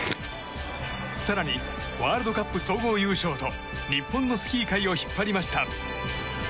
更に、ワールドカップ総合優勝と日本のスキー界を引っ張りました。